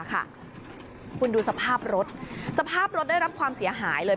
คุณดูสภาพรถสภาพรถได้รับความเสียหายเลย